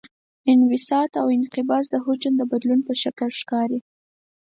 انبساط او انقباض د حجم د بدلون په شکل ښکاري.